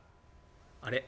「あれ？